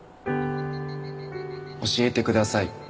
教えてください。